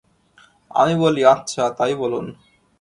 আমি বলি, আচ্ছা, তাই বলুন।